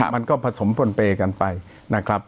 มันก็ผสมปนเปย์กันไปนะครับ